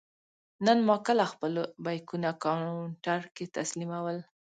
نن ما کله خپل بېکونه کاونټر کې تسلیمول.